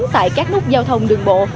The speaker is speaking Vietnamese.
tại các nút giao thông đường bộ